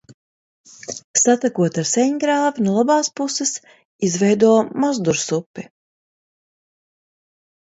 Satekot ar Sēņgrāvi no labās puses, izveido Mazdursupi.